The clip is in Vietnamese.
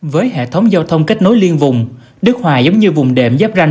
với hệ thống giao thông kết nối liên vùng đức hòa giống như vùng đệm giáp ranh